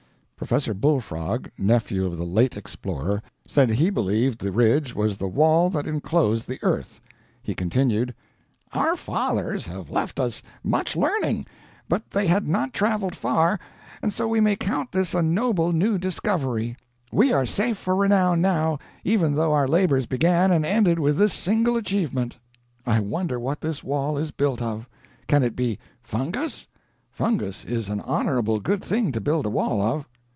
Professor Bull Frog (nephew of the late explorer) said he believed the ridge was the wall that inclosed the earth. He continued: "Our fathers have left us much learning, but they had not traveled far, and so we may count this a noble new discovery. We are safe for renown now, even though our labors began and ended with this single achievement. I wonder what this wall is built of? Can it be fungus? Fungus is an honorable good thing to build a wall of."